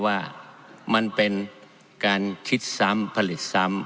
ว่ามันเป็นการพิจารณ์ทิศสำผลิตสำ